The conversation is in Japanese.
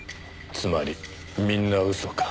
つまりみんな嘘か。